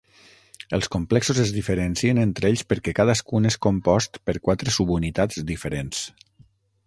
Els complexos es diferencien entre ells perquè cadascun és compost per quatre subunitats diferents.